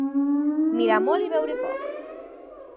Mirar molt i veure poc.